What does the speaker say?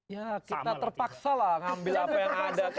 ya kita terpaksa lah ngambil apa yang ada